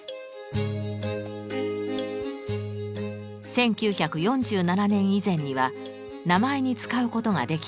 １９４７年以前には名前に使うことができた文字。